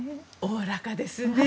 おおらかですね。